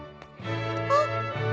あっ